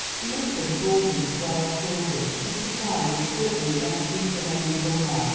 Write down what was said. Elizabeth bore him twelve children. Mr. Fry was certainly an excellent and amiable man.